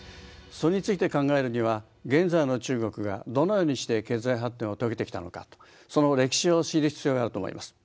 それについて考えるには現在の中国がどのようにして経済発展を遂げてきたのかその歴史を知る必要があると思います。